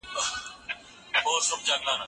آیا زاویه تر خط کږه ده؟